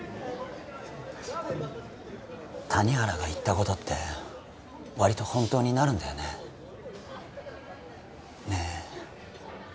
谷原が言ったことってわりと本当になるんだよねねえ